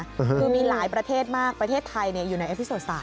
คือมีหลายประเทศมากประเทศไทยอยู่ในอภิโสศาส